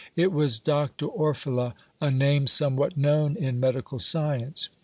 It was Dr. Orfila, a name somewhat known in medical science.